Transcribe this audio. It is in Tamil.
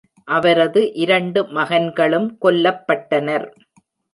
அவரது இரண்டு மகன்களும் கொல்லப்பட்டனர்.